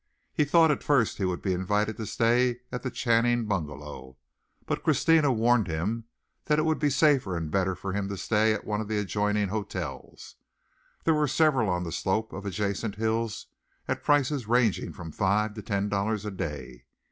He thought at first he would be invited to stay at the Channing bungalow, but Christina warned him that it would be safer and better for him to stay at one of the adjoining hotels. There were several on the slope of adjacent hills at prices ranging from five to ten dollars a day.